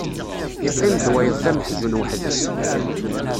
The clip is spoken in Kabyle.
Yeqqim-d wayeḍ d ameḥzun weḥd-s.